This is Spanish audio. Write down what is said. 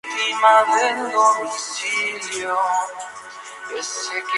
Podemos encontrarnos desde ritmos gospel, samba brasileña hasta baladas de corte ranchero.